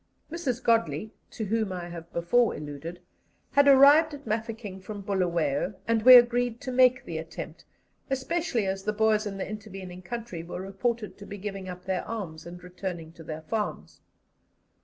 Mrs. Godley (to whom I have before alluded) had arrived at Mafeking from Bulawayo, and we agreed to make the attempt, especially as the Boers in the intervening country were reported to be giving up their arms and returning to their farms.